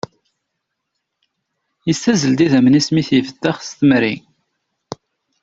Yessazzel-d idammen-is mi i t-ifeddex s temri